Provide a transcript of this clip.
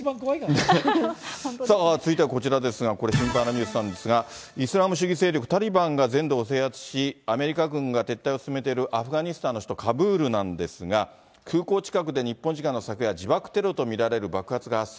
続いてはこちらですが、これ、心配なニュースなんですが、イスラム主義勢力タリバンが全土を制圧し、アメリカ軍が撤退を進めているアフガニスタンの首都カブールなんですが、空港近くで日本時間の昨夜、自爆テロと見られる爆発が発生。